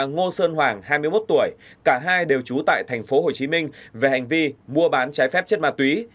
ngô sơn hoàng hai mươi một tuổi cả hai đều trú tại tp hồ chí minh về hành vi mua bán trái phép chất ma túy